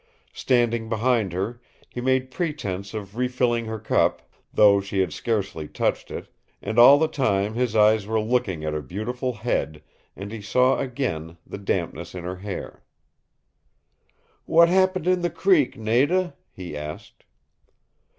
Standing behind her, he made pretense of refilling her cup, though she had scarcely touched it, and all the time his eyes were looking at her beautiful head, and he saw again the dampness in her hair. "What happened in the creek, Nada?" he asked.